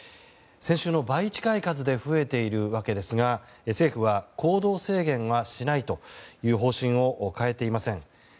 先週の倍近い数で増えているわけですが政府は行動制限はしないという方針を変えていません。